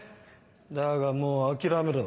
だがもう諦めろ。